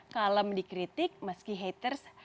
kalem dikritik meski haters